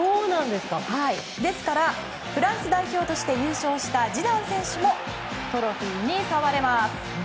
ですから、フランス代表として優勝したジダン選手もトロフィーに触れます。